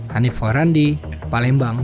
hanifah randi palembang